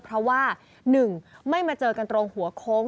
เพราะว่า๑ไม่มาเจอกันตรงหัวโค้ง